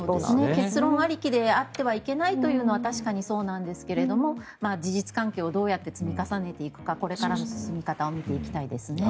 結論ありきであってはいけないのはそうなんですが事実関係をどうやって積み重ねていくかこれからの動きを見ていきたいですね。